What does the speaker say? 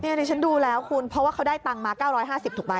เดี๋ยวฉันดูแล้วคุณเพราะว่าเขาได้ตังค์มา๙๕๐ถูกไหม